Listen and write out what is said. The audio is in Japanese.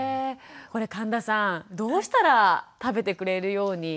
これ神田さんどうしたら食べてくれるようになるんでしょうか？